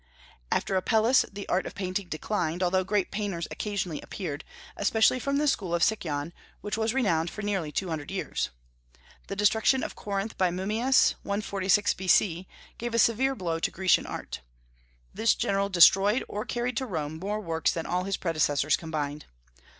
After Apelles, the art of painting declined, although great painters occasionally appeared, especially from the school of Sicyon, which was renowned for nearly two hundred years. The destruction of Corinth by Mummius, 146 B.C., gave a severe blow to Grecian art. This general destroyed, or carried to Rome, more works than all his predecessors combined.